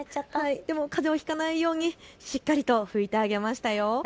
かぜをひかないようにしっかり拭いてあげましたよ。